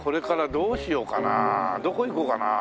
どこ行こうかな？